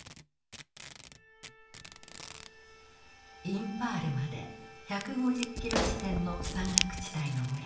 インパールまで１５０キロ地点の山岳地帯の村。